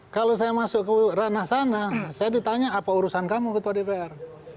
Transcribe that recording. kalau saya masuk ke ranah sana saya ditanya apa urusan kamu ketua dpr